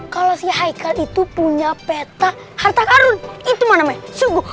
kalau si haikal itu punya peta harta karun itu mana namanya subuh